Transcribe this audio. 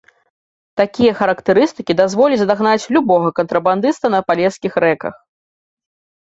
Такія характарыстыкі дазволяць дагнаць любога кантрабандыста на палескіх рэках.